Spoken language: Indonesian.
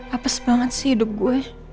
hapes banget sih hidup gue